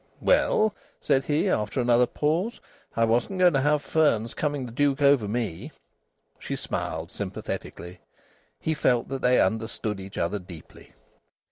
"Well," said he, after another pause, "I wasn't going to have Fearns coming the duke over me!" She smiled sympathetically. He felt that they understood each other deeply.